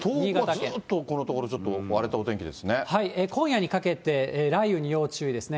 しかし、東北はずっと、このところちょっと荒れたお天気です今夜にかけて雷雨に要注意ですね。